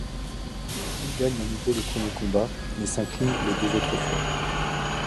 Il gagne à nouveau le premier combat mais s'incline les deux autres fois.